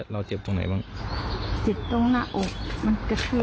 เราก็ทนไม่ไหวจริงใช่มั้ย